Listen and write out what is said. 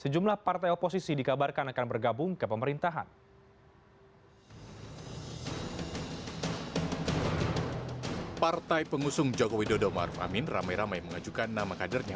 jokowi dodo ma'ruf amin ramai ramai mengajukan nama kadernya